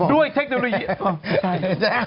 ด้วยเทคโนโลยีอ๋อใช่